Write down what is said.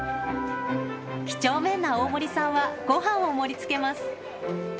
きちょうめんな大森さんは、ごはんを盛りつけます。